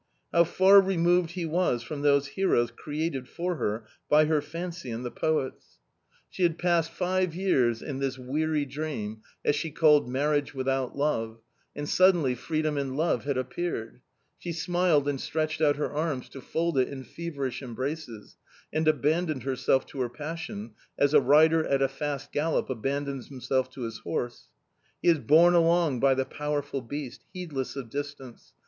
How far removed he was from those heroes created for her by her fancy and the poets ! A COMMON STORY 179 She had passed five years in this weary dream, as she called marriage without love, and suddenly freedom and love had appeared. She smiled and stretched out her arms to fold it in feverish embraces, and abandoned herself to her passion as a rider at a fast gallop abandons himself to his horse. He is borne along by the powerful beast, heed less of distance.